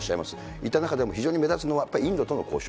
いった中でも非常に目立つのは、やっぱりインドとの交渉。